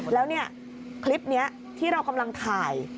แล้วเนี่ยคลิปนี้ที่เรากำลังถ่าย